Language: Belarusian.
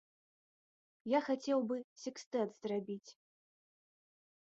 Я хацеў бы сэкстэт зрабіць.